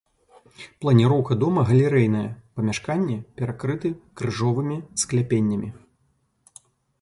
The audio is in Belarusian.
Планіроўка дома галерэйная, памяшканні перакрыты крыжовымі скляпеннямі.